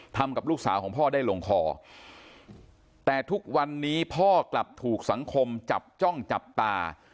กับลูกสาวของพ่อได้ลงคอแต่ทุกวันนี้พ่อกลับถูกสังคมจับจ้องจับตา